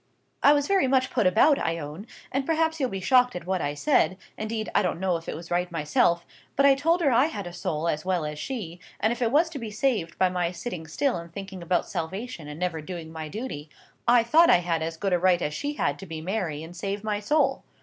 I was very much put about, I own, and perhaps you'll be shocked at what I said—indeed, I don't know if it was right myself—but I told her I had a soul as well as she, and if it was to be saved by my sitting still and thinking about salvation and never doing my duty, I thought I had as good a right as she had to be Mary, and save my soul.